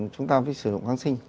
chúng ta phải sử dụng kháng sinh